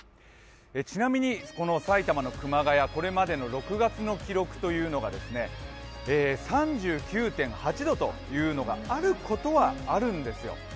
ちなみに埼玉の熊谷これまでの６月の記録というのが３９．８度というのがあることはあるんですよ。